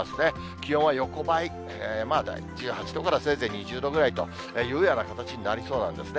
気温は横ばい、１８度からせいぜい２０度ぐらいというような形になりそうなんですね。